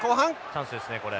チャンスですねこれ。